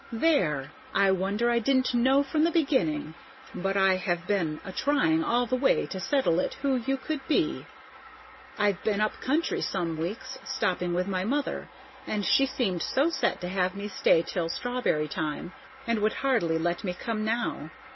There! I wonder I didn't know from the beginning, but I have been a trying all the way to settle it who you could be. I've been up country some weeks, stopping with my mother, and she seemed so set to have me stay till strawberry time, and would hardly let me come now.